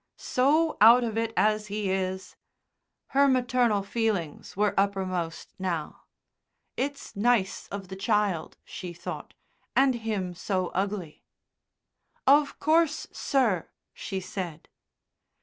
"So out of it as he is!" Her maternal feelings were uppermost now. "It's nice of the child," she thought, "and him so ugly." "Of course, sir," she said.